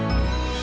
oh si abah itu